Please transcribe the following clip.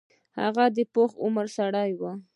هغه د پاخه عمر سړی وو.